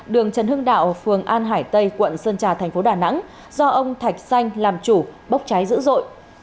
đường trần hưng đạo phường an hải tây quận sơn trà thành phố đà nẵng do ông thạch xanh làm chủ bốc cháy dữ dội